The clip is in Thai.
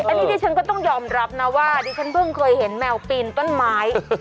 อันนี้ที่ฉันก็ต้องยอมรับนะว่าดิฉันเพิ่งเคยเห็นแมวปีนต้นไม้